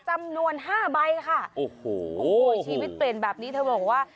จำนวนห้าใบค่ะโอ้โหชีวิตเปลี่ยนแบบนี้เธอบอกว่า